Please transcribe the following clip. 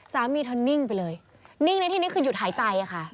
สามีเธอนิ่งไปเลยนิ่งในที่นี้คือหยุดหายใจค่ะ